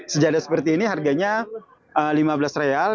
sejadah seperti ini harganya lima belas real